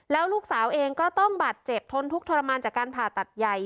แล้วลูกสาวเองก็ต้องบาดเจ็บทนทุกข์ทรมานจากการผ่าตัดใหญ่